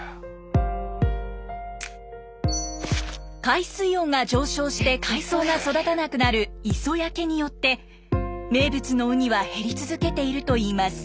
海水温が上昇して海藻が育たなくなる磯焼けによって名物のウニは減り続けているといいます。